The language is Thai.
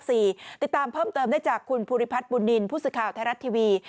ติดตามเพิ่มเติมได้จากคุณภูริพัฒน์บุญนินทร์ผู้สื่อข่าวไทยรัฐทีวี